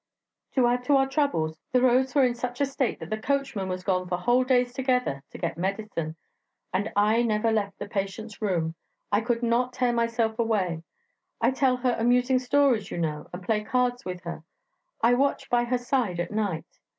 To add to our troubles, the roads were in such a state that the coachman was gone for whole days together to get medicine. And I never left the patient's room; I could not tear myself away; I tell her amusing stories, you know, and play cards with her. I watch by her side at night.